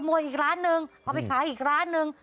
อีกร้านนึงเอาไปขายอีกร้านนึง